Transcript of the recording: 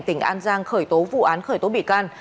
tỉnh an giang khởi tố vụ án khởi tố bị can